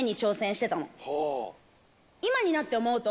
今になって思うと。